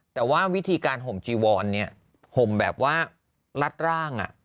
แต่ว่าวิธีการห่มจีวอนเนี่ยห่มแบบว่ารัดร่าง